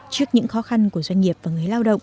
trước những khó khăn của doanh nghiệp và người lao động